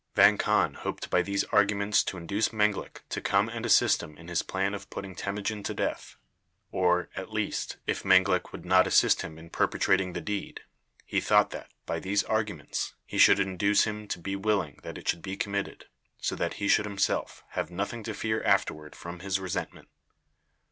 Vang Khan hoped by these arguments to induce Menglik to come and assist him in his plan of putting Temujin to death, or, at least, if Menglik would not assist him in perpetrating the deed, he thought that, by these arguments, he should induce him to be willing that it should be committed, so that he should himself have nothing to fear afterward from his resentment.